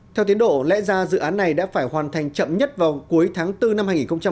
theo tiến độ lẽ ra dự án này đã phải hoàn thành chậm nhất vào cuối tháng bốn năm hai nghìn hai mươi